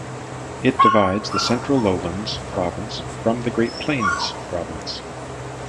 It divides the Central Lowlands province from the Great Plains province.